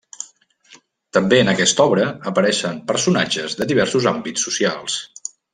També en aquesta obra apareixen personatges de diversos àmbits socials.